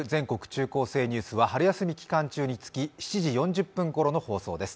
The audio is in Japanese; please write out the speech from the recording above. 中高生ニュース」は春休み期間中につき、７時４０分ころの放送です。